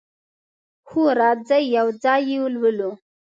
هو، راځئ یو ځای یی لولو